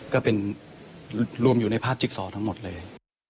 ก็เป็นรวมอยู่ในภาพจิ๊กซอทั้งหมดเลย